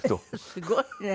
すごいね。